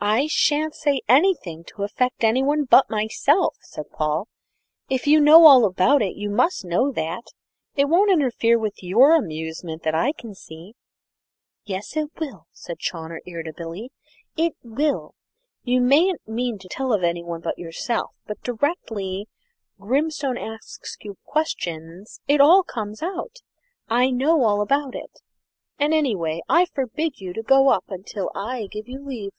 "I shan't say anything to affect anyone but myself," said Paul; "if you know all about it, you must know that it won't interfere with your amusement that I can see." "Yes, it will," said Chawner irritably, "it will you mayn't mean to tell of anyone but yourself; but directly Grimstone asks you questions, it all comes out. I know all about it. And, anyway, I forbid you to go up till I give you leave."